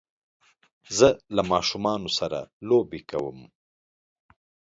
زه له ماشومانو سره لوبی کوم